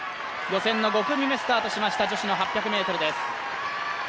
予選の５組目スタートしました、女子８００ｍです。